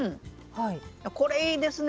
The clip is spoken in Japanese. これいいですね。